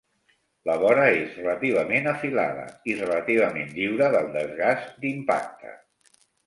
La vora és relativament afilada i relativament lliure del desgasts d'impacte.